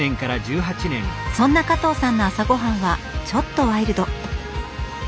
そんな加藤さんの朝ごはんはちょっとワイルド。